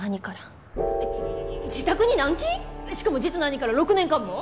しかも実の兄から６年間も？